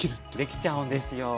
できちゃうんですよ。